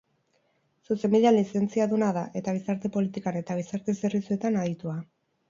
Zuzenbidean lizentziaduna da, eta gizarte-politikan eta gizarte-zerbitzuetan aditua.